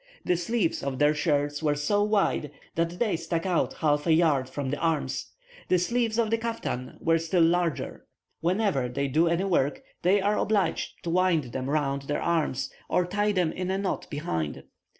The sleeves of their shirts were so wide that they stuck out half a yard from the arms; the sleeves of the kaftan were still larger. Whenever they do any work, they are obliged to wind them round their arms, or tie them in a knot behind.